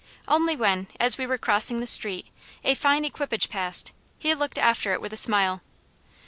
Only when, as we were crossing the street, a fine equipage passed, he looked after it with a smile.